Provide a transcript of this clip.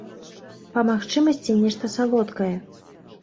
Па магчымасці нешта салодкае.